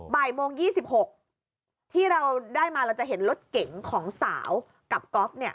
บ่ายโมง๒๖ที่เราได้มาเราจะเห็นรถเก๋งของสาวกับก๊อฟเนี่ย